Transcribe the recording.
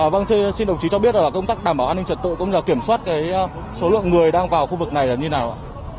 vâng thưa quý vị xin đồng chí cho biết là công tác đảm bảo an ninh trật tự cũng là kiểm soát số lượng người đang vào khu vực này là như nào ạ